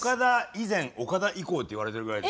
以前オカダ以降っていわれてるぐらいですから。